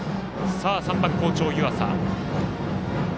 ３番、好調、湯浅。